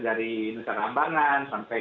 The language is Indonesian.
dari indonesia rambangan sampai